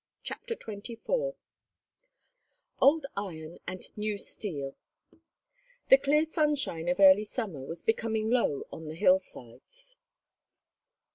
CHAPTER XXIV OLD IRON AND NEW STEEL THE clear sunshine of early summer was becoming low on the hillsides.